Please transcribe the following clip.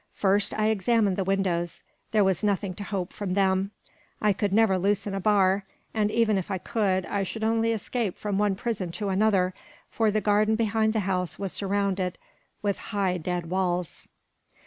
First, I examined the windows: there was nothing to hope from them; I could never loosen a bar, and even if I could, I should only escape from one prison to another, for the garden behind the house was surrounded with high dead walls.